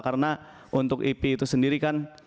karena untuk ip itu sendiri kan